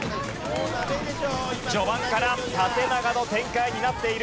序盤から縦長の展開になっている。